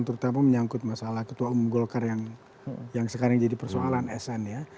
terutama menyangkut masalah ketua umum golkar yang sekarang jadi persoalan sn ya